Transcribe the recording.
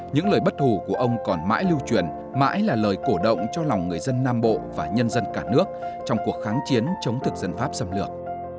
những lời bất hù của ông còn mãi lưu truyền mãi là lời cổ động cho lòng người dân nam bộ và nhân dân cả nước trong cuộc kháng chiến chống thực dân pháp xâm lược